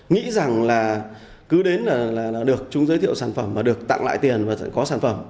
nghĩ rằng là cứ đến là được chúng giới thiệu sản phẩm mà được tặng lại tiền và sẽ có sản phẩm